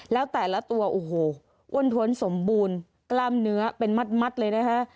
แล้วแต่ละตัวโอ้โหอ้วนท้วนสมบูรณ์กล้ามเนื้อเป็นมัดเลยนะคะ